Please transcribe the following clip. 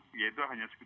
jadi kami sudah mencari